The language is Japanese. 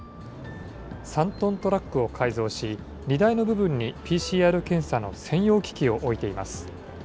３トントラックを改造し、荷台の部分にＰＣＲ検査の専用機器を置いています。